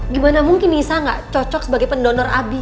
gimana mungkin nisa gak cocok sebagai pendonor abi